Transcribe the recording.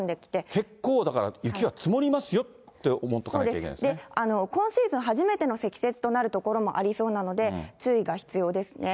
結構だから、雪が積もりますよって思っておかなきゃいけないそうです、今シーズン初めての積雪となる所もありそうなので、注意が必要ですね。